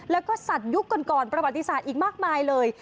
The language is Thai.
แล้วก็สัตว์ยุคก่อนประวัติศาสตร์อีกมากมายเลย